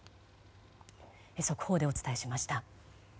速報でお伝えしました。